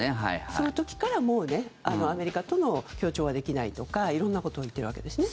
その時からもうアメリカとの協調はできないとか色んなことを言ってるわけですね。